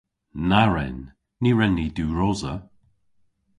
Na wren! Ny wren ni diwrosa.